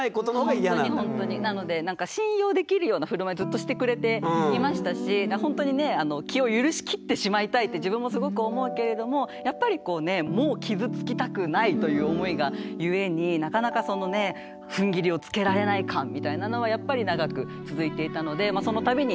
なので信用できるような振る舞いずっとしてくれていましたしほんとにね気を許しきってしまいたいって自分もすごく思うけれどもやっぱりこうねなかなかそのねふんぎりをつけられない感みたいなのはやっぱり長く続いていたのでその度になんかね